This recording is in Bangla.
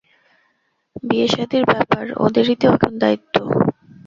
বিয়েশাদির ব্যাপার, ওদেরই তো এখন দায়িত্ব।